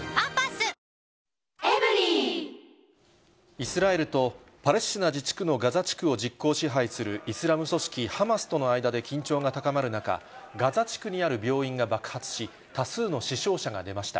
イスラエルとパレスチナ自治区のガザ地区を実効支配するイスラム組織ハマスとの間で緊張が高まる中、ガザ地区にある病院が爆発し、多数の死傷者が出ました。